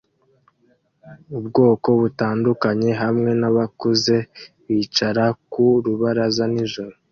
Ubwoko butandukanye hamwe nabakuze bicara ku rubaraza nijoro